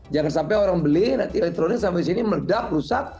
jangan sampai orang beli nanti elektronik sampai sini meledak rusak